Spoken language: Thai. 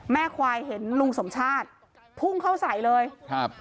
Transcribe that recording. แม่ควายเห็นลุงสมชาติพุ่งเข้าใส่เลยครับ